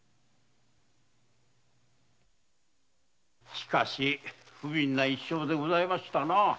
しかし不憫な一生でございましたな。